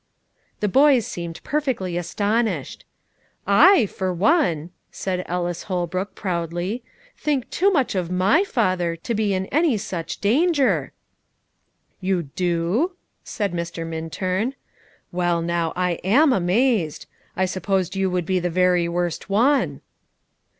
The boys seemed perfectly astonished. "I, for one," said Ellis Holbrook proudly, "think too much of my father, to be in any such danger." "You do?" said Mr. Minturn; "well, now, I am amazed. I supposed you would be the very worst one."